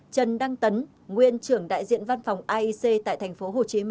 trần đăng tấn nguyên trưởng đại diện văn phòng aic tại tp hcm